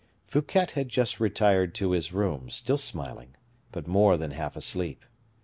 Fouquet had just retired to his room, still smiling, but more than half asleep.